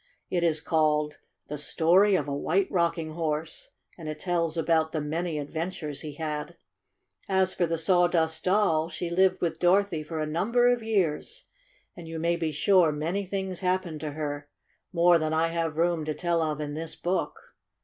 It is called "The Story of a White Rocking Horse," and it tells about the many adventures he had. As for the Sawdust Doll, she lived with Dorothy f^r a number of years, and you may be sure many things happened to her — more than I have room to tell of in this book.